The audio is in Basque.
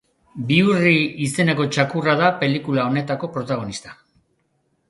Bihurri izeneko txakurra da pelikula honetako protagonista.